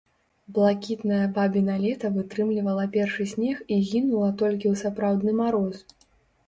Блакітнае бабіна лета вытрымлівала першы снег і гінула толькі ў сапраўдны мароз.